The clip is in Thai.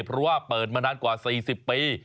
เพราะว่าเปิดมานานกว่า๔๐ปี